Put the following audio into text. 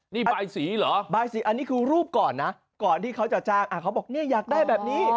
นี่บายสีเหรอบายสีอันนี้คือรูปก่อนนะก่อนที่เขาจะจ้างเขาบอกเนี่ยอยากได้แบบนี้